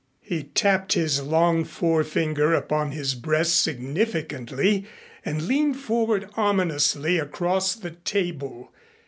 He tapped his long forefinger upon his breast significantly and leaned forward ominously across the table.